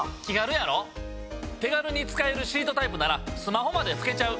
手軽に使えるシートタイプならスマホまでふけちゃう。